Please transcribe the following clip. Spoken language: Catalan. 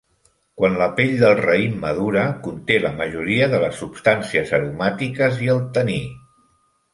Quan la pell del raïm madura, conté la majoria de les substàncies aromàtiques i el taní.